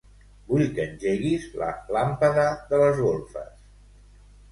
Vull que engeguis la làmpada de les golfes.